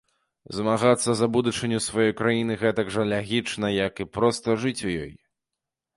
Змагацца за будучыню сваёй краіны гэтак жа лагічна, як і проста жыць у ёй.